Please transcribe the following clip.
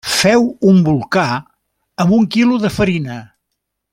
Feu un volcà amb un quilo de farina.